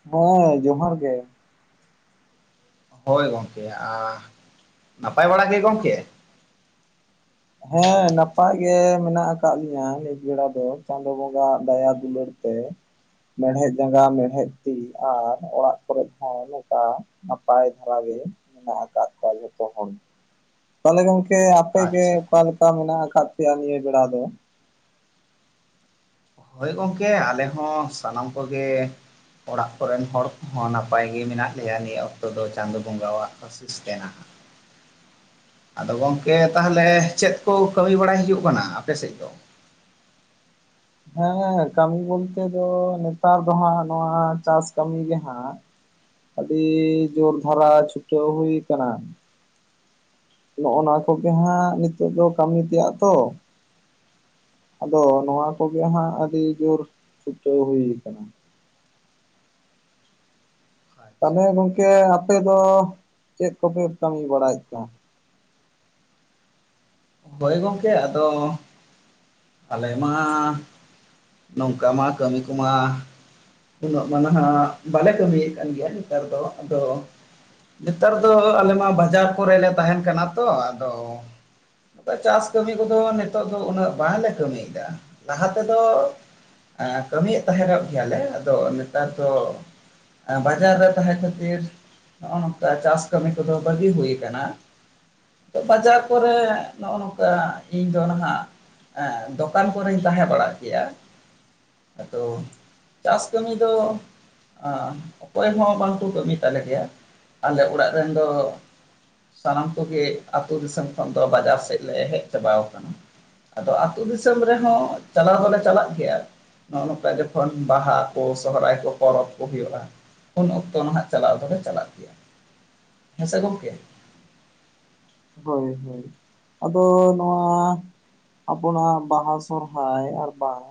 [unintelligible] ᱡᱚᱦᱟᱨ ᱜᱮ᱾ ᱦᱚᱭ ᱜᱚᱝᱠᱮ ᱟ ᱱᱟᱯᱟᱭ ᱵᱟᱲᱟ ᱜᱮ ᱜᱚᱝᱠᱮ? ᱦᱮ ᱱᱟᱯᱟᱭ ᱜᱮ ᱢᱮᱱᱟᱜ ᱟᱠᱟᱜ ᱞᱤᱧᱟᱹ ᱱᱤᱛ ᱵᱮᱲᱟ ᱫᱚ ᱪᱟᱸᱫᱳ ᱵᱚᱸᱜᱟ-ᱟᱜ ᱫᱟᱭᱟ ᱫᱩᱞᱟᱹᱲ ᱛᱮ ᱾ ᱢᱮᱲᱦᱮᱫ ᱡᱟᱜᱟ ᱢᱮᱲᱦᱮᱫ ᱛᱤ ᱟᱨ ᱚᱲᱟᱜ ᱠᱚᱨᱮᱫ ᱦᱚ ᱱᱚᱝᱠᱟ ᱾ ᱱᱟᱯᱟᱭ ᱫᱷᱟᱨᱟᱜᱮ ᱢᱮᱱᱟᱜ ᱟᱠᱟᱫ ᱠᱚᱣᱟ ᱡᱚᱛᱚ ᱦᱚᱲᱜᱮ ᱾ ᱛᱟᱦᱮᱞᱮ ᱜᱚᱝᱠᱮ ᱟᱯᱮᱜ ᱜᱮ ᱟᱪᱪᱷᱟ ᱚᱠᱟ ᱞᱮᱠᱟ ᱢᱮᱱᱟᱜ ᱟᱠᱟᱫ ᱯᱮᱭᱟ ᱱᱤᱭᱟᱹ ᱵᱮᱲᱟ ᱫᱚ? ᱦᱚᱭ ᱜᱚᱝᱠᱮ ᱟᱞᱮ ᱦᱚ ᱥᱟᱱᱟᱢ ᱠᱚᱜᱮ ᱚᱲᱟᱜ ᱠᱚᱨᱮᱱ ᱦᱚᱲ ᱠᱚᱦᱚ ᱱᱟᱯᱟᱭ ᱜᱮ ᱢᱮᱱᱟᱜ ᱞᱮᱭᱟ ᱱᱤᱭᱟᱹ ᱚᱠᱛᱚ ᱫᱚ ᱪᱟᱸᱫᱚ ᱵᱚᱸᱜᱟ ᱣᱟᱜ ᱚᱥᱤᱥ ᱛᱮᱱᱟᱜ ᱾ ᱟᱫᱚ ᱜᱚᱝᱠᱮ ᱛᱟᱦᱚᱞᱮ ᱪᱮᱫ ᱠᱚ ᱠᱟᱢᱤ ᱵᱟᱲᱟᱭ ᱦᱩᱭᱩᱜ ᱠᱟᱱᱟ ᱟᱯᱮ ᱥᱮᱫ ᱫᱚ? ᱦᱮ ᱠᱟᱢᱤ ᱵᱚᱞᱛᱮ ᱫᱚ ᱱᱮᱛᱟᱨ ᱫᱚ ᱦᱟᱜ ᱱᱚᱣᱟ ᱪᱟᱥ ᱠᱟᱢᱤ ᱜᱮ ᱦᱟᱜ ᱾ ᱟᱹᱰᱤ ᱡᱚᱨ ᱫᱷᱟᱨᱟ ᱪᱷᱩᱴᱟᱹᱣ ᱦᱩᱭ ᱠᱟᱱᱟ ᱾ ᱱᱚᱜ-ᱚ ᱱᱚᱣᱟ ᱠᱚᱜᱮ ᱦᱟᱜ ᱱᱤᱛᱚᱜ ᱫᱚ ᱠᱟᱢᱤ ᱛᱮᱭᱟᱜ ᱛᱚ ᱾ ᱟᱫᱚ ᱱᱚᱣᱟ ᱠᱚᱜᱮ ᱦᱟᱜ ᱟᱹᱰᱤ ᱡᱚᱨ ᱪᱷᱩᱴᱟᱹᱣ ᱦᱩᱭ ᱟᱠᱟᱱᱟ ᱾ ᱟᱪᱪᱷᱟ ᱛᱟᱦᱚᱞᱮ ᱜᱚᱝᱠᱮ ᱟᱯᱮ ᱫᱚ ᱪᱮᱫ ᱠᱚᱯᱮ ᱠᱟᱢᱤ ᱵᱟᱲᱟᱭᱮᱫ ᱛᱟᱦᱮᱜ? ᱦᱚᱭ ᱜᱚᱝᱠᱮ ᱟᱫᱚ ᱟᱞᱮ ᱢᱟ ᱱᱚᱝᱠᱟ ᱢᱟ ᱠᱟᱹᱢᱤ ᱠᱚᱢᱟ ᱩᱱᱟᱹᱜ ᱢᱟ ᱱᱟᱦᱟᱜ ᱵᱟᱞᱮ ᱠᱟᱹᱢᱤ ᱭᱮᱜ ᱠᱟᱱ ᱜᱮᱭᱟ ᱱᱮᱛᱟᱨ ᱫᱚ ᱟᱫᱚ ᱱᱮᱛᱟᱨ ᱫᱚ ᱟᱞᱮ ᱢᱟ ᱵᱟᱡᱟᱨ ᱠᱚᱨᱮ ᱞᱮ ᱛᱟᱦᱮᱱ ᱠᱟᱱᱟ ᱛᱚ ᱟᱫᱚ ᱪᱟᱥ ᱠᱟᱹᱢᱤ ᱠᱚᱫᱚ ᱱᱤᱛᱚᱜ ᱫᱚ ᱩᱱᱟᱹᱜ ᱵᱟᱝᱞᱮ ᱠᱟᱹᱢᱤᱭᱮᱫᱟ ᱞᱟᱦᱟ ᱛᱮᱫᱚ ᱠᱟᱹᱢᱤᱭᱮᱫ ᱛᱟᱦᱮᱱᱚᱜ ᱜᱮᱭᱟᱞᱮ ᱟᱫᱚ ᱱᱮᱛᱟᱨ ᱫᱚ ᱵᱟᱡᱟᱨ ᱨᱮ ᱛᱟᱦᱮ ᱠᱷᱟᱹᱛᱤᱨ ᱱᱚᱜᱚ ᱱᱚᱝᱠᱟ ᱪᱟᱥ ᱠᱟᱹᱢᱤ ᱠᱚᱫᱚ ᱵᱟᱹᱜᱤ ᱦᱩᱭ ᱟᱠᱟᱱᱟ ᱵᱟᱡᱟᱨ ᱠᱚᱨᱮ ᱱᱚᱜᱼᱚ ᱱᱚᱝᱠᱟ ᱤᱧ ᱫᱚ ᱱᱟᱦᱟᱜ ᱫᱚᱠᱟᱱ ᱠᱚᱨᱮᱧ ᱛᱟᱦᱮ ᱵᱟᱲᱟᱜ ᱜᱮᱭᱟ ᱾ ᱟᱫᱚ ᱪᱟᱥ ᱠᱟᱹᱢᱤ ᱫᱚ ᱚᱠᱚᱭ ᱦᱚ ᱵᱟᱝᱠᱚ ᱠᱟᱹᱢᱤ ᱛᱟᱞᱮ ᱜᱮᱭᱟ ᱟᱞᱮ ᱚᱲᱟᱜ ᱨᱮᱱ ᱫᱚ ᱥᱟᱱᱟᱢ ᱠᱚᱜᱮ ᱟᱛᱩ ᱫᱤᱥᱚᱢ ᱠᱷᱚᱱ ᱫᱚ ᱵᱟᱡᱟᱨ ᱥᱮᱡ ᱞᱮ ᱦᱮᱡ ᱪᱟᱵᱟᱣ ᱠᱟᱱᱟ ᱾ ᱟᱫᱚ ᱟᱛᱩ ᱫᱤᱥᱚᱢ ᱨᱮᱦᱚ ᱪᱟᱞᱟᱣ ᱫᱚᱞᱮ ᱪᱟᱞᱟᱜ ᱜᱮᱭᱟ ᱾ ᱱᱚᱜᱼᱚ ᱱᱚᱝᱠᱟ ᱡᱚᱠᱷᱚᱱ ᱵᱟᱦᱟ ᱠᱚ ᱥᱚᱦᱚᱨᱟᱭ ᱠᱚ ᱯᱚᱨᱚᱵ ᱠᱚ ᱦᱩᱭᱩᱜᱼᱟ ᱾ ᱩᱱ ᱚᱠᱛᱚ ᱱᱟᱜ ᱪᱟᱞᱟᱣ ᱫᱚᱞᱮ ᱪᱟᱞᱟᱜ ᱜᱮᱭᱟ ᱦᱮᱥᱮ ᱜᱚᱝᱠᱮ ᱦᱚᱭ ᱦᱚᱭ ᱟᱫᱚ ᱱᱚᱣᱟ ᱟᱵᱚᱱᱟᱜ ᱵᱟᱦᱟ ᱥᱚᱨᱦᱟᱭ ᱟᱨ ᱵᱟᱝ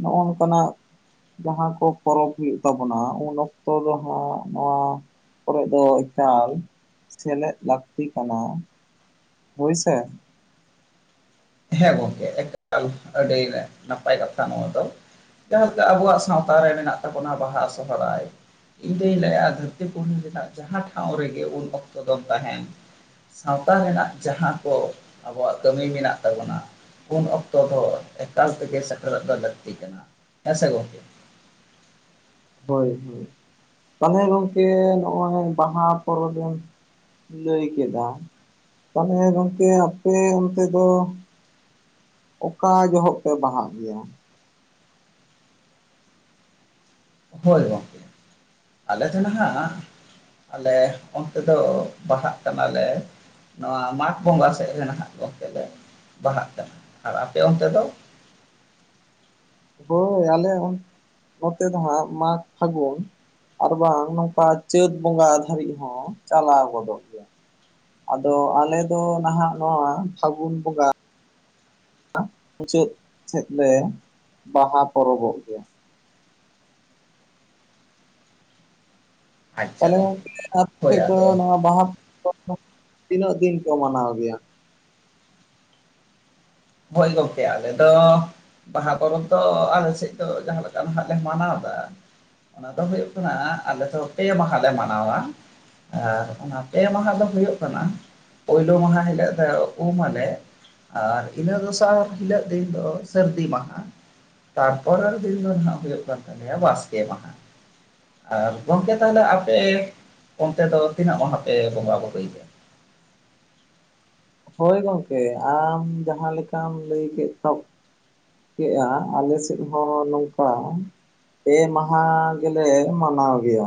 ᱱᱚᱜᱼᱚ ᱱᱚᱝᱠᱟᱱᱟᱜ ᱡᱟᱦᱟᱸ ᱠᱚ ᱯᱚᱨᱚᱵᱽ ᱦᱩᱭᱩᱜ ᱛᱟᱵᱚᱱᱟ ᱩᱱ ᱚᱠᱛᱚ ᱫᱚ ᱦᱟᱸᱜ ᱱᱚᱣᱟ ᱠᱚᱨᱮᱫ ᱫᱚ ᱮᱠᱟᱞ ᱥᱮᱞᱮᱫ ᱞᱟᱹᱠᱛᱤ ᱠᱟᱱᱟ ᱾ ᱵᱩᱡᱽ ᱥᱮ ᱾ ᱦᱮᱸ ᱜᱚᱝᱠᱮ ᱮᱠᱟᱞ ᱟᱹᱰᱤ ᱱᱟᱯᱟᱭ ᱠᱟᱛᱷᱟ ᱱᱚᱣᱟ ᱫᱚ᱾ ᱡᱟᱦᱟᱸ ᱞᱮᱠᱟ ᱟᱵᱚᱣᱟᱜ ᱥᱟᱶᱛᱟ ᱨᱮ ᱢᱮᱱᱟᱜ ᱛᱟᱵᱚᱱᱟ ᱵᱟᱦᱟ ᱥᱚᱦᱚᱨᱟᱭ ᱤᱧ ᱫᱩᱧ ᱞᱟᱹᱭᱟ ᱫᱷᱟᱹᱨᱛᱤ ᱯᱩᱨᱤᱨᱮᱱᱟᱜ ᱨᱮᱱᱟᱜ ᱡᱟᱦᱟᱸ ᱴᱷᱟᱶ ᱨᱮᱜᱮ ᱩᱱ ᱚᱠᱛᱚ ᱫᱚᱢ ᱛᱟᱦᱮᱱ ᱥᱟᱶᱛᱟ ᱨᱮᱱᱟᱜ ᱡᱟᱦᱟᱸ ᱠᱚ ᱟᱵᱚᱣᱟᱜ ᱠᱟᱹᱢᱤ ᱢᱮᱱᱟᱜ ᱛᱟᱵᱚᱱᱟ ᱩᱱ ᱚᱠᱛᱚ ᱫᱚ ᱮᱠᱟᱞ ᱛᱮᱜᱮ ᱥᱮᱴᱮᱨᱚᱜ ᱫᱚ ᱞᱟᱹᱠᱛᱤ ᱠᱟᱱᱟ ᱦᱮᱸ ᱥᱮ ᱜᱚᱢᱠᱮ ᱾ ᱦᱳᱭ ᱦᱳᱭ ᱛᱟᱦᱚᱞᱮ ᱜᱚᱝᱠᱮ ᱱᱚᱜ-ᱚᱭ ᱵᱟᱦᱟ ᱯᱚᱨᱚᱵᱽ ᱵᱮᱱ ᱞᱟᱹᱭ ᱠᱮᱫᱟ, ᱛᱟᱦᱚᱞᱮ ᱜᱚᱝᱠᱮ ᱟᱯᱮ ᱚᱱᱛᱮ ᱫᱚ ᱚᱠᱟ ᱡᱚᱦᱚᱜ ᱯᱮ ᱵᱟᱦᱟᱜ ᱜᱮᱭᱟ? ᱦᱳᱭ ᱜᱚᱢᱠᱮ, [inaudible] ᱟᱞᱮ ᱫᱚ ᱱᱟᱦᱟᱜ ᱟᱞᱮ ᱚᱱᱛᱮ ᱫᱚ ᱵᱟᱦᱟᱜ ᱠᱟᱱᱟᱞᱮ ᱱᱚᱣᱟ ᱢᱟᱜᱽ ᱵᱚᱸᱜᱟ ᱥᱮᱫ ᱨᱮ ᱱᱟᱦᱟᱜ ᱜᱚᱝᱠᱮ ᱞᱮ ᱵᱟᱦᱟᱜ ᱠᱟᱱᱟ, ᱟᱨ ᱟᱯᱮ ᱚᱱᱛᱮ ᱫᱚ? ᱦᱳᱭ ᱟᱞᱮ ᱱᱚᱛᱮ ᱫᱚ ᱦᱟᱸᱜ ᱢᱟᱜᱽ ᱯᱷᱟᱹᱜᱩᱱ ᱟᱨ ᱵᱟᱝ ᱱᱚᱝᱠᱟ ᱪᱟᱹᱛ ᱵᱚᱸᱜᱟ ᱫᱷᱟᱹᱨᱤᱡ ᱦᱚᱸ ᱪᱟᱞᱟᱣ ᱜᱚᱫᱚᱜ ᱜᱮᱭᱟ ᱾ ᱟᱫᱚ ᱟᱞᱮ ᱫᱚ ᱱᱟᱦᱟᱜ ᱱᱚᱣᱟ ᱯᱷᱟᱹᱜᱩᱱ ᱵᱚᱸᱜᱟ ᱢᱩᱪᱟᱹᱫ ᱥᱮᱫ ᱞᱮ ᱵᱟᱦᱟ ᱯᱚᱨᱚᱵᱚᱜ ᱜᱮᱭᱟ ᱾ ᱛᱟᱦᱚᱞᱮ ᱜᱚᱝᱠᱮ ᱟᱯᱮ ᱦᱳᱭ ᱥᱮᱫ ᱫᱚ ᱟᱫᱚ ᱱᱚᱣᱟ ᱵᱟᱦᱟ [unintelligible] ᱛᱤᱱᱟᱹᱜ ᱫᱤᱱ ᱠᱚ ᱢᱟᱱᱟᱣ ᱜᱮᱭᱟ? ᱦᱳᱭ ᱜᱚᱝᱠᱮ ᱟᱞᱮ ᱫᱚ ᱵᱟᱦᱟ ᱯᱚᱨᱚᱵᱽ ᱫᱚ ᱟᱞᱮ ᱥᱮᱫ ᱫᱚ ᱡᱟᱦᱟᱸ ᱞᱮᱠᱟ ᱱᱟᱦᱟᱜ ᱞᱮ ᱢᱟᱱᱟᱣ ᱮᱫᱟ ᱚᱱᱟ ᱫᱚ ᱦᱩᱭᱩᱜ ᱠᱟᱱᱟ ᱟᱞᱮ ᱫᱚ ᱯᱮ ᱢᱟᱦᱟ ᱞᱮ ᱢᱟᱱᱟᱣᱟ ᱾ ᱟᱨ ᱚᱱᱟ ᱯᱮ ᱢᱟᱦᱟ ᱫᱚ ᱦᱩᱭᱩᱜ ᱠᱟᱱᱟ ᱯᱩᱭᱞᱩ ᱢᱟᱦᱟ ᱦᱤᱞᱳᱜ ᱫᱚ ᱩᱢ ᱟᱞᱮ ᱟᱨ ᱤᱱᱟᱹ ᱫᱚᱥᱟᱨ ᱦᱤᱞᱟᱹᱜ ᱫᱤᱱ ᱫᱚ ᱥᱟᱹᱨᱫᱤ ᱢᱟᱦᱟ ᱾ ᱛᱟᱨᱯᱚᱨᱮᱨ ᱫᱤᱱ ᱫᱚ ᱦᱟᱸᱜ ᱦᱩᱭᱩᱜ ᱠᱟᱱ ᱛᱟᱞᱮᱭᱟ ᱵᱟᱥᱠᱮ ᱢᱟᱦᱟ ᱾ ᱟᱨ ᱜᱚᱢᱠᱮ ᱛᱟᱦᱚᱞᱮ ᱟᱯᱮ ᱚᱱᱛᱮ ᱫᱚ ᱛᱤᱱᱟᱹᱜ ᱢᱟᱦᱟ ᱯᱮ ᱵᱚᱸᱜᱟ ᱵᱩᱨᱩᱭ ᱜᱮᱭᱟ? ᱦᱳᱭ ᱜᱚᱝᱠᱮ ᱟᱢ ᱡᱟᱦᱟᱸ ᱞᱮᱠᱟᱢ ᱞᱟᱹᱭ ᱠᱮᱫ [inaudible] ᱠᱮᱜ-ᱟ ᱟᱞᱮ ᱥᱮᱫ ᱦᱚᱸ ᱱᱚᱝᱠᱟ ᱯᱮ ᱢᱟᱦᱟ ᱜᱮᱞᱮ ᱢᱟᱱᱟᱣ ᱜᱮᱭᱟ᱾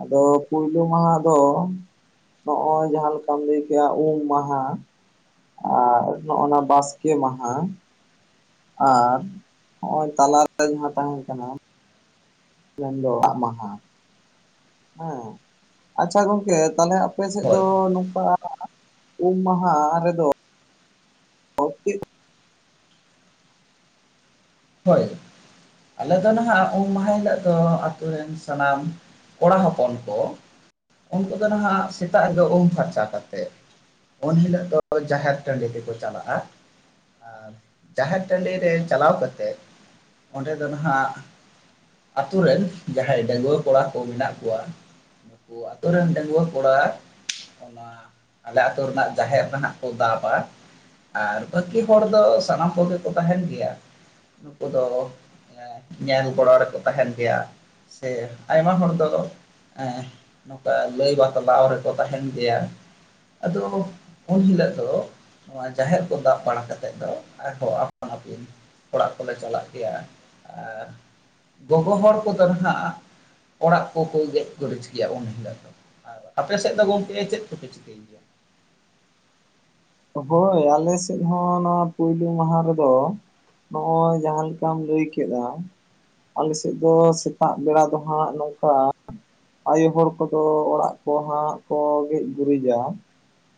ᱟᱫᱚ ᱯᱩᱭᱞᱩ ᱢᱟᱦᱟ ᱫᱚ ᱦᱚᱜ-ᱚᱭ ᱡᱟᱦᱟᱸ ᱞᱮᱠᱟᱢ ᱞᱟᱹᱭ ᱠᱮᱜ-ᱟ ᱩᱢ ᱢᱟᱦᱟ ᱟᱨ ᱱᱚᱜ-ᱚᱱᱟ ᱵᱟᱥᱠᱮ ᱢᱟᱦᱟ ᱟᱨ ᱦᱚᱸᱜ-ᱚᱭ ᱛᱟᱞᱟᱨᱮ ᱡᱟᱦᱟᱸ ᱛᱟᱦᱮᱱ ᱠᱟᱱᱟ ᱢᱮᱱ ᱫᱚ [unintelligible] ᱢᱟᱦᱟ ᱦᱮᱸ ᱟᱪᱪᱷᱟ ᱜᱚᱢᱠᱮ ᱛᱟᱦᱚᱞᱮ ᱟᱯᱮ ᱥᱮᱫ ᱫᱚ ᱦᱳᱭ ᱱᱚᱝᱠᱟ [inaudible] ᱩᱢ ᱢᱟᱦᱟ ᱨᱮᱫᱚ [unintelligible] ᱦᱳᱭ, [inaudible] ᱟᱞᱮ ᱫᱚ ᱱᱟᱦᱟᱜ ᱩᱢ ᱦᱤᱞᱳᱜ ᱫᱚ ᱟᱛᱩ ᱨᱮᱱ ᱥᱟᱱᱟᱢ ᱠᱚᱲᱟ ᱦᱚᱯᱚᱱ ᱠᱚ [inaudible] ᱩᱱᱠᱩ ᱫᱚ ᱱᱟᱦᱟᱜ ᱥᱮᱛᱟᱜ ᱨᱮ ᱫᱚ ᱩᱢ ᱯᱷᱟᱨᱪᱟ ᱠᱟᱛᱮᱫ ᱩᱱ ᱦᱤᱞᱳᱜ ᱫᱚ ᱡᱟᱦᱮᱨ ᱴᱟᱺᱰᱤ ᱛᱮᱠᱚ ᱪᱟᱞᱟᱜ-ᱟ᱾ ᱟᱨ ᱡᱟᱦᱮᱨ ᱴᱟᱺᱰᱤ ᱨᱮ ᱪᱟᱞᱟᱣ ᱠᱟᱛᱮᱫ [inaudible] ᱚᱸᱰᱮ ᱫᱚ ᱱᱟᱦᱟᱜ ᱟᱛᱩ ᱨᱮᱱ ᱡᱟᱦᱟᱸᱭ ᱰᱟᱺᱜᱩᱣᱟᱹ ᱠᱚᱲᱟ ᱠᱚ ᱢᱮᱱᱟᱜ ᱠᱚᱣᱟ ᱠᱚ ᱟᱛᱩ ᱨᱮᱱ ᱰᱟᱺᱜᱩᱣᱟᱹ ᱠᱚᱲᱟ ᱚᱱᱟ ᱚᱱᱟ ᱟᱞᱮ ᱟᱛᱳ ᱨᱮᱱᱟᱜ ᱡᱟᱦᱮᱨ ᱫᱚ ᱱᱟᱜ ᱠᱚ ᱫᱟᱵ-ᱟ ᱾ ᱟᱨ ᱵᱟᱹᱠᱤ ᱦᱚᱲ ᱫᱚ ᱥᱟᱱᱟᱢ ᱠᱚᱜᱮ ᱠᱚ ᱛᱟᱦᱮᱱ ᱜᱮᱭᱟ᱾ ᱱᱠᱩ ᱫᱚ ᱧᱮᱞ ᱜᱚᱲᱚ ᱨᱮᱠᱚ ᱛᱟᱦᱮᱱ ᱜᱮᱭᱟ, ᱥᱮ ᱟᱭᱢᱟ ᱦᱚᱲ ᱫᱚ ᱱᱚᱝᱠᱟ ᱞᱟᱹᱭ ᱵᱟᱛᱞᱟᱣ ᱨᱮᱠᱚ ᱛᱟᱦᱮᱱ ᱜᱮᱭᱟ᱾ ᱟᱫᱚ ᱩᱱ ᱦᱤᱞᱳᱜ ᱫᱚ ᱱᱚᱣᱟ ᱡᱟᱦᱮᱨ ᱠᱚ ᱫᱟᱵᱽ ᱵᱟᱲᱟ ᱠᱟᱛᱮᱫ ᱫᱚ ᱟᱨᱦᱚᱸ ᱟᱯᱟᱱ ᱟᱹᱯᱤᱱ ᱚᱲᱟᱜ ᱠᱚᱞᱮ ᱪᱟᱞᱟᱜ ᱜᱮᱭᱟ ᱟᱨ ᱜᱚᱜᱚ ᱦᱚᱲ ᱠᱚᱫᱚ ᱱᱟᱦᱟᱜ ᱚᱲᱟᱜ ᱠᱚ ᱠᱚ ᱜᱮᱡ ᱜᱩᱨᱤᱡᱽ ᱜᱮᱭᱟ ᱩᱱ ᱦᱤᱞᱳᱜ ᱫᱚ᱾ ᱟᱨ ᱟᱯᱮ ᱥᱮᱫ ᱫᱚ ᱜᱚᱝᱠᱮ ᱪᱮᱫ ᱠᱚᱯᱮ ᱪᱤᱠᱟᱹᱭ ᱜᱮᱭᱟ? ᱦᱳᱭ ᱟᱞᱮ ᱥᱮᱫ ᱦᱚᱸ ᱱᱚᱣᱟ ᱯᱳᱭᱞᱳ ᱢᱟᱦᱟ ᱨᱮᱫᱚ ᱱᱚᱜ ᱚᱭ ᱡᱟᱦᱟᱸ ᱞᱮᱠᱟᱢ ᱞᱟᱹᱭ ᱠᱮᱜᱼᱟ ᱟᱞᱮ ᱥᱮᱫ ᱫᱚ ᱥᱮᱛᱟᱜ ᱵᱮᱲᱟ ᱫᱚ ᱦᱟᱸᱜ ᱱᱚᱝᱠᱟ ᱟᱭᱳ ᱦᱚᱲ ᱠᱚᱫᱚ ᱚᱲᱟᱜ ᱠᱚ ᱦᱟᱸᱜ ᱠᱚ ᱜᱮᱡ ᱜᱩᱨᱤᱡᱟ᱾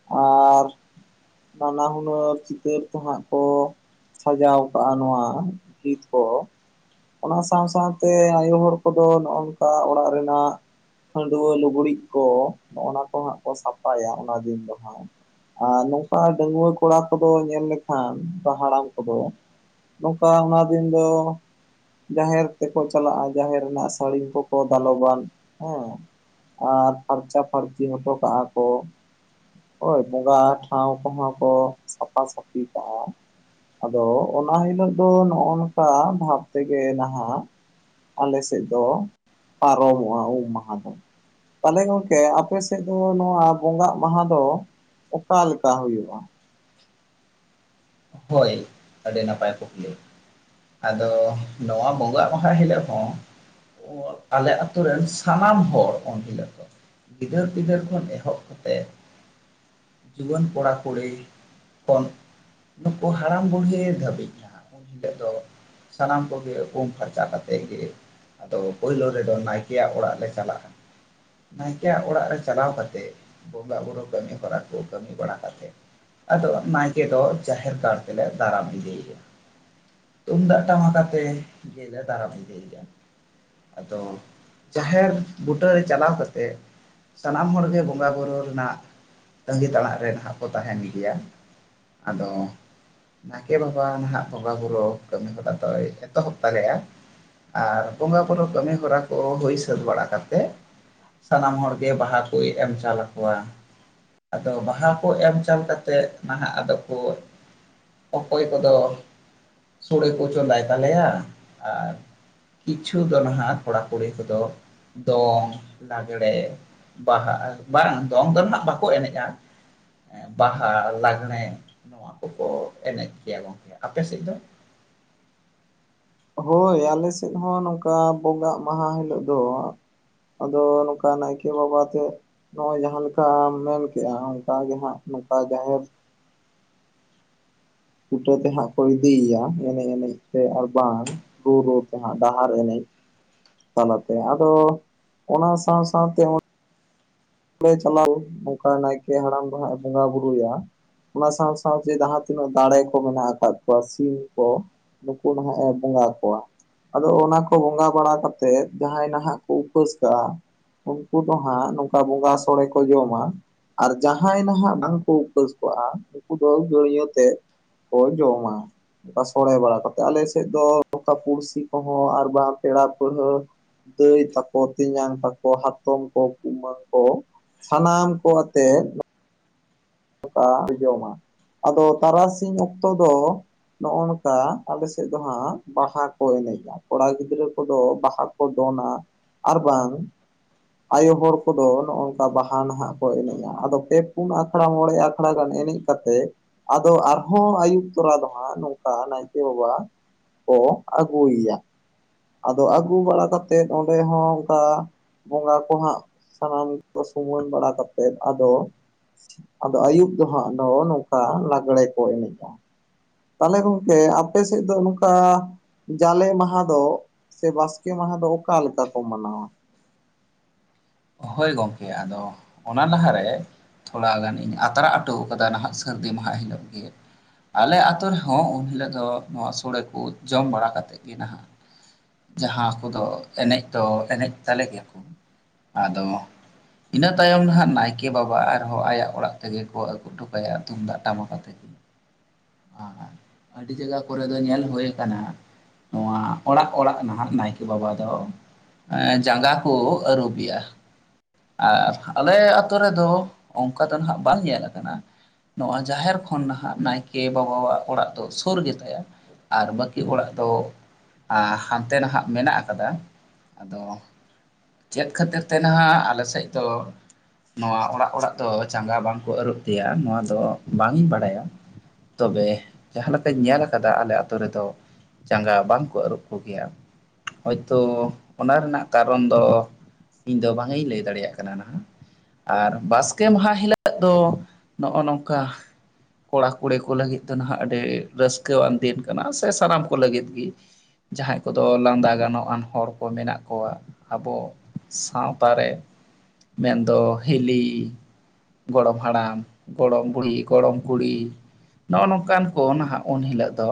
ᱟᱨ, ᱱᱟᱱᱟ ᱦᱩᱱᱟᱹᱨ ᱪᱤᱛᱟᱹᱨ ᱠᱚ ᱦᱟᱸᱜ ᱠᱚ ᱥᱟᱡᱟᱣ ᱠᱟᱜᱼᱟ ᱱᱚᱣᱟ ᱵᱷᱤᱛ ᱠᱚ᱾ ᱚᱱᱟ ᱥᱟᱶ ᱥᱟᱶᱛᱮ ᱟᱭᱳ ᱦᱚᱲ ᱠᱚᱫᱚ ᱱᱚᱜᱼᱚ ᱱᱚᱝᱠᱟ ᱚᱲᱟᱜ ᱨᱮᱱᱟᱜ ᱠᱷᱟᱹᱰᱣᱟᱹ ᱞᱩᱜᱽᱲᱤᱡ ᱠᱚ ᱦᱚᱜ ᱚᱱᱟ ᱠᱚ ᱦᱟᱸᱜ ᱠᱚ ᱥᱟᱯᱷᱟᱭᱟ ᱚᱱᱟ ᱫᱤᱱ ᱫᱚ ᱦᱟᱸᱜ᱾ ᱟᱨ ᱱᱚᱝᱠᱟ ᱰᱟᱹᱜᱣᱟᱹ ᱠᱚᱲᱟ ᱠᱚᱫᱚ ᱧᱮᱞ ᱞᱮᱠᱷᱟᱱ ᱦᱟᱲᱟᱢ ᱠᱚᱫᱚ ᱱᱚᱝᱠᱟ ᱚᱱᱟ ᱫᱤᱱ ᱫᱚ ᱡᱟᱦᱮᱨ ᱛᱮᱠᱚ ᱪᱟᱞᱟᱜᱼᱟ, ᱡᱟᱦᱮᱨ ᱨᱮᱱᱟᱜ ᱥᱟᱹᱲᱤᱢ ᱠᱚᱠᱚ ᱫᱟᱞᱚᱵᱟ᱾ ᱦᱮᱸ ᱟᱨ ᱯᱷᱟᱨᱪᱟ ᱯᱷᱟᱨᱪᱤ ᱦᱚᱴᱚ ᱠᱟᱜᱼᱟ ᱠᱚ᱾ ᱦᱳᱭ ᱵᱚᱸᱜᱟ ᱴᱷᱟᱶ ᱠᱚᱦᱚᱸ ᱠᱚ ᱥᱟᱯᱷᱟ ᱥᱟᱹᱯᱷᱤ ᱠᱟᱜᱼᱟ᱾ ᱟᱫᱚ ᱚᱱᱟ ᱦᱤᱞᱳᱜ ᱫᱚ ᱱᱚᱜᱼᱚ ᱱᱚᱝᱠᱟ ᱵᱷᱟᱵᱽ ᱛᱮᱜᱮ ᱱᱟᱦᱟᱜ ᱟᱞᱮ ᱥᱮᱫ ᱫᱚ ᱯᱟᱨᱚᱢᱚᱜᱼᱟ ᱩᱢ ᱢᱟᱦᱟ ᱫᱚ᱾ ᱛᱟᱦᱚᱞᱮ ᱜᱚᱝᱠᱮ ᱟᱯᱮ ᱥᱮᱫ ᱫᱚ ᱱᱚᱣᱟ ᱵᱚᱸᱜᱟᱜ ᱢᱟᱦᱟ ᱫᱚ ᱚᱠᱟ ᱞᱮᱠᱟ ᱦᱩᱭᱩᱜᱼᱟ? ᱦᱳᱭ ᱟᱹᱰᱤ ᱱᱟᱯᱟᱭ ᱠᱩᱠᱞᱤ, ᱟᱫᱚ ᱱᱚᱣᱟ ᱵᱚᱸᱜᱟᱜ ᱢᱟᱦᱟ ᱦᱤᱞᱳᱜ ᱦᱚᱸ ᱟᱞᱮ ᱟᱛᱳ ᱨᱮᱱ ᱥᱟᱱᱟᱢ ᱦᱚᱲ ᱩᱱᱦᱤᱞᱳᱜ ᱫᱚ ᱜᱤᱫᱟᱹᱨ ᱯᱤᱫᱟᱹᱨ ᱠᱷᱚᱱ ᱮᱦᱚᱵ ᱠᱟᱛᱮᱫ ᱡᱩᱣᱟᱹᱱ ᱠᱚᱲᱟ ᱠᱩᱲᱤ ᱠᱷᱚᱱ ᱱᱩᱠᱩ ᱦᱟᱲᱟᱢ ᱵᱩᱲᱦᱤ ᱫᱷᱟᱹᱵᱤᱡ ᱡᱟᱸᱦᱟᱸ ᱩᱱ ᱦᱤᱞᱳᱜ ᱫᱚ ᱥᱟᱱᱟᱢ ᱠᱚᱜᱮ ᱯᱷᱟᱨᱪᱟ ᱠᱟᱛᱮᱫ ᱜᱮ ᱟᱫᱚ ᱯᱳᱭᱞᱳ ᱨᱮᱫᱚ ᱱᱟᱭᱠᱮᱭᱟᱜ ᱚᱲᱟᱜ ᱞᱮ ᱪᱟᱞᱟᱜᱼᱟ᱾ ᱱᱟᱭᱠᱮᱭᱟᱜ ᱚᱲᱟᱜ ᱨᱮ ᱪᱟᱞᱟᱣ ᱠᱟᱛᱮᱜ, ᱵᱚᱸᱜᱟ ᱵᱩᱨᱩᱳ ᱠᱟᱹᱢᱤ ᱦᱚᱨᱟ ᱠᱚ ᱠᱟᱹᱢᱤ ᱵᱟᱲᱟ ᱠᱟᱛᱮᱫ ᱟᱫᱚ ᱱᱟᱭᱠᱮ ᱫᱚ ᱡᱟᱦᱮᱨ ᱜᱟᱲ ᱛᱮᱞᱮ ᱫᱟᱨᱟᱢ ᱤᱫᱤᱭᱮᱭᱟ᱾ ᱛᱩᱢᱫᱟᱜ ᱴᱟᱢᱟᱠ ᱟᱛᱮ ᱜᱮᱞᱮ ᱫᱟᱨᱟᱢ ᱤᱫᱤᱭᱮᱭᱟ᱾ ᱟᱫᱚ ᱡᱟᱦᱮᱨ ᱵᱩᱴᱟᱹ ᱪᱟᱞᱟᱣ ᱠᱟᱛᱮ ᱥᱟᱱᱟᱢ ᱦᱚᱲᱜᱮ ᱵᱚᱸᱜᱟ ᱵᱩᱨᱩ ᱨᱮᱱᱟᱜ ᱛᱟᱸᱜᱤ ᱛᱟᱸᱲᱟᱜ ᱨᱮ ᱱᱟᱜ ᱠᱚ ᱛᱟᱦᱮᱸᱱ ᱜᱮᱭᱟ᱾ ᱟᱫᱚ ᱱᱟᱭᱠᱮ ᱵᱟᱵᱟ ᱱᱟᱦᱟᱜ ᱵᱚᱸᱜᱟᱼᱵᱩᱨᱩ ᱠᱟᱹᱢᱤ ᱦᱚᱨᱟ ᱫᱚᱭ ᱮᱛᱚᱦᱚᱵ ᱫᱟᱲᱮᱭᱟᱜᱼᱟ᱾ ᱟᱨ ᱵᱚᱸᱜᱟ ᱵᱩᱨᱩᱳ ᱠᱟᱹᱢᱤ ᱦᱚᱨᱟ ᱠᱚ ᱦᱩᱭ ᱥᱟᱹᱛ ᱵᱟᱲᱟ ᱠᱟᱛᱮ ᱥᱟᱱᱟᱢ ᱦᱚᱲ ᱜᱮ ᱵᱟᱦᱟ ᱠᱚᱭ ᱮᱢ ᱪᱟᱞ ᱟᱠᱚᱣᱟ᱾ ᱟᱫᱚ ᱵᱟᱦᱟ ᱠᱚ ᱮᱢ ᱪᱟᱞ ᱠᱟᱛᱮᱫ ᱱᱟᱦᱟᱜ ᱟᱫᱚ ᱵᱚᱭ ᱚᱠᱚᱭ ᱠᱚᱫᱚ ᱥᱳᱲᱮ ᱠᱚ ᱪᱚᱸᱫᱟᱭ ᱛᱟᱞᱮᱭᱟ ᱟᱨ ᱠᱤᱪᱷᱩ ᱫᱚ ᱱᱟᱦᱟᱜ ᱠᱚᱲᱟ ᱠᱩᱲᱤ ᱠᱚᱫᱚ ᱫᱚᱝ, ᱞᱟᱜᱽᱲᱮ ᱵᱟᱦᱟ ᱵᱟᱝ ᱫᱚᱝ ᱫᱚ ᱱᱟᱜ ᱵᱟᱠᱚ ᱮᱱᱮᱡ-ᱟ ᱵᱟᱦᱟ, ᱞᱟᱜᱽᱲᱮ ᱱᱚᱣᱟ ᱠᱚᱠᱚ ᱮᱱᱮᱡ ᱜᱮᱭᱟ ᱜᱚᱝᱠᱮ᱾ ᱟᱯᱮ ᱥᱮᱫ ᱫᱚ? ᱦᱳᱭ ᱟᱞᱮ ᱥᱮᱫ ᱦᱚᱸ ᱱᱚᱝᱠᱟ ᱵᱚᱸᱜᱟᱜ ᱢᱟᱦᱟ ᱦᱤᱞᱳᱜ ᱫᱚ ᱟᱫᱚ ᱱᱚᱝᱠᱟ ᱱᱟᱭᱠᱮ ᱵᱟᱵᱟ ᱛᱮ ᱱᱚᱜ-ᱚᱭ ᱡᱟᱦᱟᱸ ᱞᱮᱠᱟᱢ ᱢᱮᱱᱠᱮᱜ-ᱟ ᱚᱱᱠᱟ ᱜᱮ ᱦᱟᱸᱜ ᱱᱚᱝᱠᱟ ᱡᱟᱦᱮᱨ ᱵᱩᱴᱟᱹ ᱛᱮ ᱦᱟᱸᱜ ᱠᱚ ᱤᱫᱤᱭᱮᱭᱟ ᱮᱱᱮᱡ ᱮᱱᱮᱡ ᱛᱮ ᱟᱨ ᱵᱟᱝ, ᱨᱩ ᱨᱩ ᱛᱮ ᱦᱟᱸᱜ ᱰᱟᱦᱟᱨ ᱮᱱᱮᱡ ᱛᱟᱞᱟᱛᱮ᱾ ᱟᱫᱚ ᱚᱱᱟ ᱥᱟᱶ ᱥᱟᱶᱛᱮ ᱦᱚᱜ ᱞᱮ ᱪᱟᱞᱟᱣ ᱱᱚᱝᱠᱟ ᱱᱟᱭᱠᱮ ᱦᱟᱲᱟᱢ ᱫᱚ ᱦᱟᱸᱜ ᱮ ᱵᱚᱸᱜᱟ ᱵᱩᱨᱩᱭᱟ᱾ ᱚᱱᱟ ᱥᱟᱶ ᱥᱟᱶᱛᱮ ᱡᱟᱦᱟᱸ ᱛᱤᱱᱟᱹᱜ ᱫᱟᱸᱲᱮ ᱠᱚ ᱢᱮᱱᱟᱜ ᱟᱠᱟᱫ ᱠᱚᱣᱟ ᱥᱤᱢ ᱠᱚ, ᱱᱩᱠᱩ ᱫᱚ ᱱᱟᱦᱟᱜ ᱮ ᱵᱚᱸᱜᱟ ᱠᱚᱣᱟ᱾ ᱟᱫᱚ ᱚᱱᱟ ᱠᱚ ᱵᱚᱸᱜᱟ ᱵᱟᱲᱟ ᱠᱟᱛᱮ ᱡᱟᱦᱟᱸᱭ ᱱᱟᱦᱟᱜ ᱠᱚ ᱩᱯᱟᱹᱥ ᱠᱟᱜ-ᱟ ᱩᱱᱠᱩ ᱫᱚ ᱦᱟᱸᱜ ᱱᱚᱝᱠᱟ ᱵᱚᱸᱜᱟ ᱥᱳᱲᱮ ᱠᱚ ᱡᱚᱢᱟ᱾ ᱟᱨ ᱡᱟᱦᱟᱸᱭ ᱱᱟᱦᱟᱜ ᱵᱟᱝ ᱠᱚ ᱩᱯᱟᱹᱥ ᱠᱚᱜ-ᱟ ᱩᱱᱠᱩ ᱫᱚ ᱜᱟᱹᱲᱭᱟᱹ ᱛᱮ ᱠᱚ ᱡᱚᱢᱟ᱾ ᱚᱱᱠᱟ ᱥᱳᱲᱮ ᱵᱟᱲᱟ ᱠᱟᱛᱮᱫ, ᱟᱞᱮ ᱥᱮᱫ ᱫᱚ ᱚᱠᱟ ᱯᱩᱲᱥᱤ ᱠᱚᱦᱚᱸ ᱟᱨ ᱵᱟᱝ ᱯᱮᱲᱟ, ᱯᱟᱹᱲᱦᱟᱹ ᱫᱟᱹᱭ ᱛᱟᱠᱚ, ᱛᱮᱧᱟᱝ ᱛᱟᱠᱚ, ᱦᱟᱛᱚᱢ, ᱠᱚ ᱠᱩᱢᱟᱹ ᱠᱚ, ᱥᱟᱱᱟᱢ ᱠᱚ ᱟᱛᱮᱜ ᱱᱚᱠᱟ ᱡᱚᱢᱟ, ᱟᱫᱚ ᱛᱟᱨᱟᱥᱤᱧ ᱚᱠᱛᱚ ᱫᱚ ᱱᱚᱜᱚ ᱱᱚᱝᱠᱟ ᱟᱞᱮᱥᱮᱫ ᱫᱚ ᱦᱟᱸᱜ ᱵᱟᱦᱟ ᱠᱚ ᱮᱱᱮᱡᱟ᱾ ᱠᱚᱲᱟ ᱜᱤᱫᱽᱨᱟᱹ ᱠᱚᱫᱚ ᱵᱟᱦᱟ ᱠᱚ ᱫᱚᱱᱟ ᱟᱨ ᱵᱟᱝ ᱟᱭᱳ ᱦᱚᱲ ᱠᱚᱫᱚ ᱱᱚᱜ-ᱚ ᱱᱚᱝᱠᱟ ᱵᱟᱦᱟ ᱱᱟᱦᱟᱜ ᱠᱚ ᱮᱱᱮᱡᱟ, ᱟᱫᱚ ᱯᱮ ᱯᱩᱱ ᱟᱠ ᱟᱠᱷᱟᱲᱟ ᱢᱚᱬᱮ ᱟᱠᱷᱟᱲᱟ ᱜᱟᱱ ᱮᱱᱮᱡ ᱠᱟᱛᱮ, ᱟᱫᱚ ᱟᱨᱦᱚᱸ ᱟᱹᱭᱩᱵ ᱛᱚᱨᱟ ᱫᱚ ᱦᱟᱸᱜ ᱱᱚᱝᱠᱟ ᱱᱟᱭᱠᱮ ᱵᱟᱵᱟ ᱠᱚ ᱟᱹᱜᱩᱭᱮᱭᱟ᱾ ᱟᱫᱚ ᱟᱹᱜᱩ ᱵᱟᱲᱟ ᱠᱟᱛᱮᱫ ᱚᱸᱰᱮ ᱦᱚᱸ ᱚᱱᱠᱟ ᱵᱚᱸᱜᱟ ᱠᱚᱦᱟᱸᱜ ᱥᱟᱱᱟᱢ ᱠᱚ ᱥᱩᱢᱟᱹᱱ ᱵᱟᱲᱟ ᱠᱟᱛᱮᱫ ᱟᱫᱚ ᱟᱫᱚ ᱟᱹᱭᱩᱵ ᱫᱚ ᱦᱟᱸᱜ ᱫᱚ ᱱᱚᱝᱠᱟ ᱞᱟᱜᱽᱲᱮ ᱠᱚ ᱮᱱᱮᱡ-ᱟ᱾ ᱛᱟᱦᱚᱞᱮ ᱞᱚᱲᱠᱮ ᱟᱯᱮ ᱥᱮᱫ ᱫᱚ ᱱᱚᱝᱠᱟ ᱡᱟᱞᱮ ᱢᱟᱦᱟ ᱫᱚ ᱥᱮ ᱵᱟᱥᱠᱮ ᱢᱟᱦᱟ ᱫᱚ ᱚᱠᱟ ᱞᱮᱠᱟ ᱠᱚ ᱢᱟᱱᱟᱣᱟ? ᱦᱳᱭ ᱜᱚᱝᱠᱮ ᱟᱫᱚ ᱚᱱᱟ ᱞᱟᱦᱟᱨᱮ ᱛᱷᱚᱲᱟ ᱜᱟᱱᱤᱧ ᱟᱛᱨᱟ ᱚᱴᱚ ᱠᱟᱫᱟ ᱱᱟᱦᱟᱜ ᱥᱟᱹᱨᱫᱤ ᱢᱟᱦᱟ ᱦᱤᱞᱳᱜ ᱜᱮ᱾ ᱟᱞᱮ ᱟᱛᱳ ᱨᱮᱦᱚᱸ ᱩᱢ ᱦᱤᱞᱳᱜ ᱫᱚ ᱱᱚᱣᱟ ᱥᱳᱲᱮ ᱠᱚ ᱡᱚᱢ ᱵᱟᱲᱟ ᱠᱟᱛᱮᱫ ᱜᱮ ᱱᱟᱦᱟᱜ ᱡᱟᱦᱟᱸ ᱠᱚᱫᱚ ᱮᱱᱮᱡ ᱫᱚ ᱮᱱᱮᱡ ᱛᱟᱞᱮ ᱜᱮᱭᱟ ᱠᱚ᱾ ᱟᱫᱚ ᱤᱱᱟᱹ ᱛᱟᱭᱚᱢ ᱫᱚ ᱦᱟᱸᱜ ᱱᱟᱭᱠᱮ ᱵᱟᱵᱟ ᱟᱨᱦᱚᱸ ᱟᱭᱟᱜ ᱚᱲᱟᱜ ᱛᱮᱜᱮ ᱠᱚ ᱟᱹᱜᱩ ᱴᱩᱠᱟᱭᱟ ᱛᱩᱢᱫᱟᱜ ᱴᱟᱢᱟᱠ ᱟᱛᱮᱜ ᱟᱨ᱾ ᱟᱹᱰᱤ ᱡᱟᱭᱜᱟ ᱠᱚᱨᱮ ᱫᱚ ᱧᱮᱞ ᱦᱩᱭᱩ ᱟᱠᱟᱱᱟ᱾ ᱱᱚᱣᱟ ᱚᱲᱟᱜ ᱚᱲᱟᱜ ᱱᱟᱦᱟᱜ ᱱᱟᱭᱠᱮ ᱵᱟᱵᱟ ᱫᱚ᱾ ᱮ ᱡᱟᱸᱜᱟ ᱠᱩ ᱟᱹᱨᱩᱵᱮᱭᱟ᱾ ᱟᱨ ᱟᱞᱮ ᱟᱛᱳ ᱨᱮᱫᱚ ᱚᱱᱠᱟ ᱫᱚ ᱱᱟᱦᱟᱜ ᱵᱟᱝ ᱧᱮᱞ ᱠᱟᱱᱟ᱾ ᱱᱚᱣᱟ ᱡᱟᱦᱮᱨ ᱠᱷᱚᱱ ᱱᱟᱦᱟᱜ ᱱᱟᱭᱠᱮ ᱵᱟᱵᱟᱣᱟᱜ ᱚᱲᱟᱜ ᱫᱚ ᱥᱩᱨ ᱜᱮᱛᱟᱭᱟ᱾ ᱟᱨ ᱵᱟᱹᱠᱤ ᱚᱲᱟᱜ ᱫᱚ ᱦᱟᱱᱛᱮ ᱱᱟᱦᱟᱜ ᱢᱮᱱᱟᱜ ᱟᱠᱟᱫᱟ᱾ ᱟᱫᱚ ᱪᱮᱫ ᱠᱷᱟᱹᱛᱤᱨ ᱛᱮ ᱱᱟᱦᱟᱜ ᱟᱞᱮ ᱥᱮᱫ ᱫᱚ ᱱᱚᱣᱟ ᱚᱲᱟᱜ ᱚᱲᱟᱜ ᱫᱚ ᱪᱟᱸᱜᱟ ᱵᱟᱝᱠᱚ ᱟᱹᱨᱩᱵ ᱛᱮᱭᱟ ᱱᱚᱣᱟ ᱫᱚ ᱵᱟᱝ ᱤᱧ ᱵᱟᱲᱟᱭᱟ᱾ ᱛᱚᱵᱮ ᱡᱟᱦᱟᱸ ᱞᱮᱠᱟᱧ ᱧᱮᱞ ᱠᱟᱫᱟ ᱟᱞᱮ ᱟᱛᱳ ᱨᱮᱫᱚ ᱡᱟᱸᱜᱟ ᱵᱟᱝᱠᱚ ᱟᱹᱨᱩᱵ ᱠᱚᱜᱮᱭᱟ, ᱦᱳᱭᱛᱳ ᱚᱱᱟ ᱨᱮᱱᱟᱜ ᱠᱟᱨᱚᱱ ᱫᱚ ᱤᱧ ᱫᱚ ᱵᱟᱝ ᱤᱧ ᱞᱟᱹᱭ ᱫᱟᱲᱮᱭᱟᱜ ᱠᱟᱱᱟ ᱱᱟᱦᱟᱜ᱾ ᱟᱨ ᱵᱟᱥᱠᱮ ᱢᱟᱦᱟ ᱦᱤᱞᱳᱜ ᱫᱚ ᱱᱚᱜᱼᱚ ᱱᱚᱝᱠᱟ, ᱠᱚᱲᱟ ᱠᱩᱲᱤ ᱠᱚ ᱞᱟᱹᱜᱤᱫ ᱫᱚ ᱱᱟᱦᱟᱜ ᱟᱹᱰᱤ ᱨᱟᱹᱥᱠᱟᱹᱣᱟᱱ ᱫᱤᱱ ᱠᱟᱱᱟ ᱥᱮ ᱥᱟᱱᱟᱢ ᱠᱚ ᱞᱟᱹᱜᱤᱫ ᱜᱮ᱾ ᱡᱟᱦᱟᱸᱭ ᱠᱚᱫᱚ ᱞᱟᱸᱫᱟ ᱜᱟᱱᱚᱜᱼᱟᱱ ᱦᱚᱲ ᱠᱚ ᱢᱮᱱᱟᱜ ᱠᱚᱣᱟ, ᱟᱵᱚ ᱥᱟᱶᱛᱟ ᱨᱮ, ᱢᱮᱱ ᱫᱚ ᱦᱤᱞᱤ, ᱜᱚᱲᱚᱢ ᱦᱟᱲᱟᱢ, ᱜᱚᱲᱚᱢ ᱵᱩᱲᱦᱤ, ᱜᱚᱲᱚᱢ ᱠᱩᱲᱤ, ᱱᱚᱜᱼᱚ ᱱᱚᱝᱠᱟᱱ ᱠᱚ ᱱᱟᱦᱟᱜ ᱩᱱ ᱦᱤᱞᱳᱜ ᱫᱚ,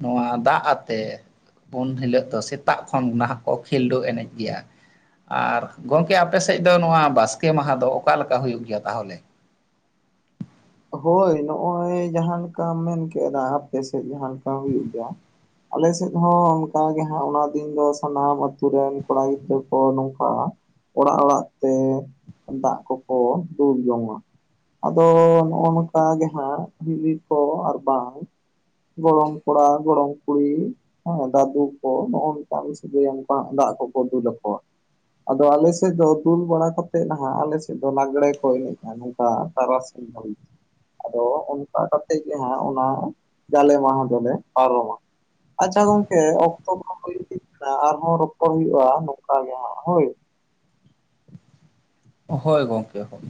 ᱱᱚᱣᱟ ᱫᱟᱜ ᱟᱛᱮ ᱩᱱ ᱦᱤᱞᱳᱜ ᱫᱚ ᱥᱮᱛᱟᱜ ᱠᱷᱚᱱ ᱱᱟᱦᱟᱜ ᱠᱚ ᱠᱷᱮᱞᱰᱩ ᱮᱱᱮᱡ ᱜᱮᱭᱟ᱾ ᱟᱨ ᱜᱚᱝᱠᱮ ᱟᱯᱮ ᱥᱮᱫ ᱫᱚ ᱱᱚᱣᱟ ᱵᱟᱥᱠᱮ ᱢᱟᱦᱟ ᱫᱚ ᱚᱠᱟ ᱞᱮᱠᱟ ᱦᱩᱭᱩᱜ ᱜᱮᱭᱟ ᱛᱟᱦᱚᱞᱮ? ᱦᱳᱭ ᱱᱚᱜᱼᱚᱭ ᱡᱟᱦᱟᱸ ᱞᱮᱠᱟᱢ ᱢᱮᱱ ᱠᱮᱜ ᱮᱫᱟ ᱟᱯᱮ ᱥᱮᱫ ᱡᱟᱦᱟᱸ ᱞᱮᱠᱟ ᱦᱩᱭᱩᱜ ᱜᱮᱭᱟ, ᱟᱞᱮ ᱥᱮᱫ ᱦᱚᱸ ᱚᱱᱠᱟ ᱜᱮ ᱦᱟᱸᱜ ᱚᱱᱟ ᱫᱤᱱ ᱫᱚ ᱥᱟᱱᱟᱢ ᱟᱹᱛᱩ ᱨᱮᱱ ᱠᱚᱲᱟ ᱜᱤᱫᱽᱨᱟᱹ ᱠᱚ ᱱᱚᱝᱠᱟ ᱚᱲᱟᱜ ᱚᱲᱟᱜ ᱛᱮ ᱫᱟᱜ ᱠᱚᱠᱚ ᱫᱩᱞ ᱡᱚᱝᱟ᱾ ᱟᱫᱚ ᱦᱚᱸᱜ-ᱚ ᱱᱚᱝᱠᱟ ᱜᱮ ᱦᱟᱸᱜ ᱦᱤᱞᱤ ᱠᱚ ᱟᱨ ᱵᱟᱝ ᱜᱚᱰᱚᱢ ᱠᱚᱲᱟ, ᱜᱚᱲᱚᱢ ᱠᱩᱲᱤ, ᱦᱮᱸ ᱫᱟᱫᱩ ᱠᱚ ᱱᱚᱜᱼᱚ ᱱᱚᱝᱠᱟᱱ ᱥᱟᱹᱜᱟᱭ ᱚᱝᱠᱟ ᱦᱟᱸᱜ ᱫᱟᱜ ᱠᱚᱠᱚ ᱫᱩᱞ ᱟᱠᱚᱣᱟ᱾ ᱟᱫᱚ ᱟᱞᱮ ᱥᱮᱫ ᱫᱚ ᱫᱩᱞ ᱵᱟᱲᱟ ᱠᱟᱛᱮ ᱱᱟᱦᱟᱜ ᱟᱞᱮ ᱥᱮᱫ ᱫᱚ ᱞᱟᱜᱽᱲᱮ ᱠᱚ ᱮᱱᱮᱡᱼᱟ ᱱᱚᱝᱠᱟ ᱛᱟᱨᱟ ᱫᱤᱧ ᱦᱟᱵᱤᱡ᱾ ᱟᱫᱚ ᱚᱱᱠᱟ ᱠᱟᱛᱮ ᱜᱮ ᱦᱟᱸᱜ ᱚᱱᱟ, ᱡᱟᱞᱮ ᱢᱟᱦᱟ ᱫᱚᱞᱮ ᱯᱟᱨᱚᱢᱟ᱾ ᱟᱪᱪᱷᱟ ᱜᱚᱝᱠᱮ ᱚᱠᱛᱚ ᱠᱚᱦᱚᱸ ᱦᱩᱭ ᱤᱫᱤᱜ [inaudible] ᱟᱨᱦᱚᱸ ᱨᱚᱯᱚᱲ ᱦᱩᱭᱩᱜᱼᱟ ᱱᱚᱝᱠᱟ ᱜᱮ ᱦᱟᱸᱜ ᱦᱳᱭ᱾ ᱦᱳᱭ ᱜᱚᱝᱠᱮ ᱦᱳᱭ᱾